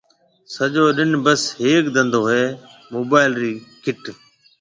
سجو ڏِن بس ھيَََڪ دنڌو ھيََََ موبائل رِي کِٽ